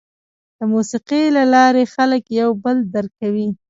د موسیقۍ له لارې خلک یو بل درک کوي.